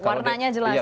warnanya jelas ya